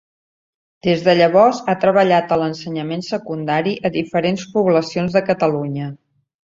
Des de llavors ha treballat a l’ensenyament secundari a diferents poblacions de Catalunya.